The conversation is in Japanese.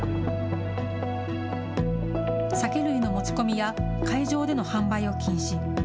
酒類の持ち込みや会場での販売を禁止。